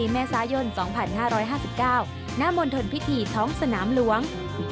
๒๐๒๔เมษายน๒๕๕๙นพิธีท้องสนามหลวง